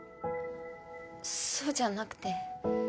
そうじゃなくて。